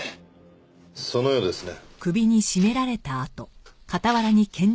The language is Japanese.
そのようですね。